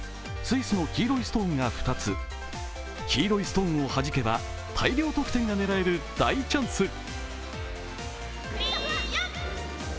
スイスの黄色いストーンが２つ、黄色いストーンをはじけば大量得点が狙える大チャンス。